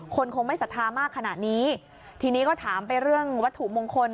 คงไม่ศรัทธามากขนาดนี้ทีนี้ก็ถามไปเรื่องวัตถุมงคล